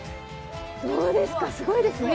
どうですか、すごいですよ。